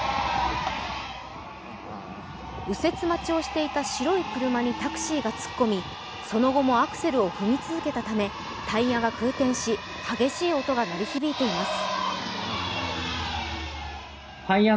右折待ちをしていた白い車にタクシーが突っ込みその後もアクセルを踏み続けたためタイヤが空転し激しい音が鳴り響いています。